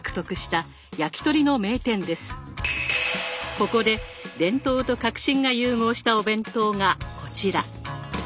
ここで伝統と革新が融合したお弁当がこちら。